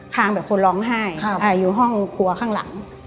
งแบบคนร้องไห้อยู่ห้องครัวข้างหลัง